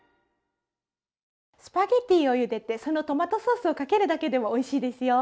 スパゲッティをゆでてそのトマトソースをかけるだけでもおいしいですよ。